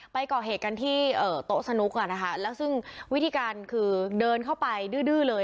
ไปก่อเหตุกันที่โต๊ะสนุกอ่ะนะคะแล้วซึ่งวิธีการคือเดินเข้าไปดื้อเลย